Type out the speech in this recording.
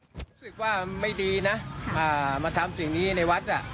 รู้สึกว่าไม่ดีนะมาทำสิ่งนี้ในวัด